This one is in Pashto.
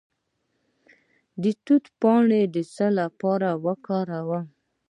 د توت پاڼې د څه لپاره وکاروم؟